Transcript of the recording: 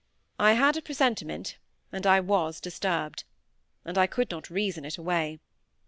I had a presentiment, and I was disturbed; and I could not reason it away.